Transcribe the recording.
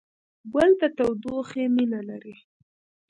ګل د تودوخې مینه لري.